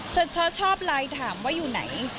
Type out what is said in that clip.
ช็อชอบไลน์ถามว่าอยู่ไหน